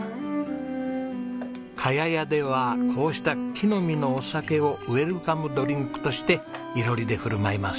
茅屋やではこうした木の実のお酒をウェルカムドリンクとして囲炉裏で振る舞います。